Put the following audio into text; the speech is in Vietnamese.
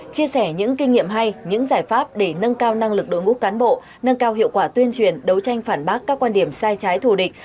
chia sẻ những kinh nghiệm hay những giải pháp để nâng cao năng lực đội ngũ cán bộ nâng cao hiệu quả tuyên truyền đấu tranh phản bác các quan điểm sai trái thù địch